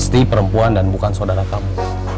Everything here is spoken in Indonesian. pasti perempuan dan bukan saudara kamu